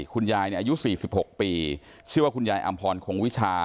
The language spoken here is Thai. คุณยายเนี่ยอายุสี่สิบหกปีชื่อว่าคุณยายอำพรคงวิชา